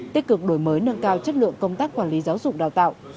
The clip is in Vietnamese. tích cực đổi mới nâng cao chất lượng công tác quản lý giáo dục đào tạo